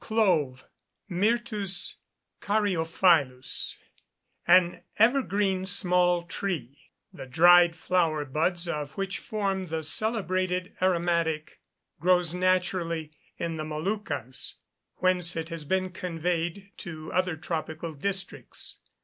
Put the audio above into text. Clove (Myrtus caryophyllus), an evergreen small tree, the dried flower buds of which form the celebrated aromatic, grows naturally in the Moluccas, whence it has been conveyed to other tropical districts.